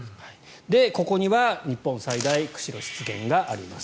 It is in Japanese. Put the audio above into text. ここには日本最大、釧路湿原があります。